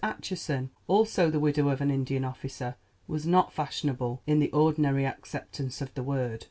Acheson, also the widow of an Indian officer, was not fashionable in the ordinary acceptance of the word.